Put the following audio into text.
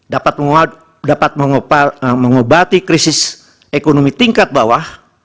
dapat mengobati krisis ekonomi tingkat bawah